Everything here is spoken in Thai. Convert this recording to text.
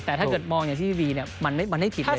แต่ถ้าเกิดมองอย่างที่พี่บีมันไม่ได้ผิดเลย